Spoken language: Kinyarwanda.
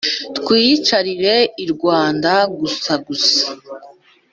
twiyicariye i rwanda gusa-gusa.